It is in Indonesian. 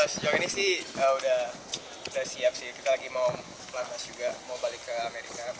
sejak ini sudah siap kita lagi mau ke lantas juga mau balik ke amerika